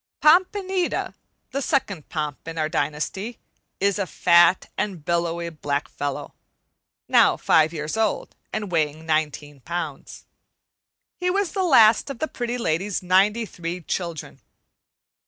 "Pompanita," the second Pomp in our dynasty, is a fat and billowy black fellow, now five years old and weighing nineteen pounds. He was the last of the Pretty Lady's ninety three children.